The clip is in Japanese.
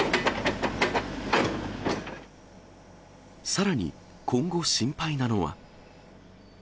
さらに今後、心配なのは。